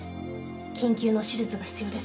緊急の手術が必要です。